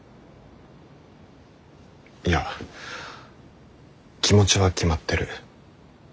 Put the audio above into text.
いや気持ちは決まってる。